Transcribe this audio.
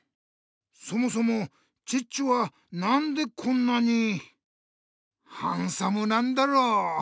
そもそもチッチはなんでこんなにハンサムなんだろう？